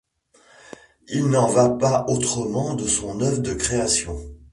Il n’en va pas autrement de son œuvre de création.